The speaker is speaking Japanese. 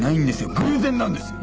偶然なんです！